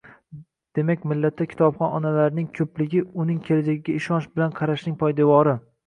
Demak, millatda kitobxon onalarning ko‘pligi uning kelajagiga ishonch bilan qarashning poydevori